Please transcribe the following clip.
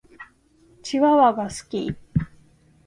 チワワが好き。